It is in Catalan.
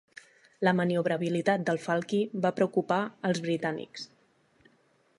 La maniobrabilitat del "Falchi" va preocupar els britànics.